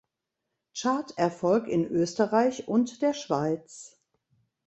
Charterfolg in Österreich und der Schweiz.